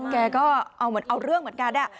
แกก็เอาเหมือนเอาเรื่องเหมือนกัน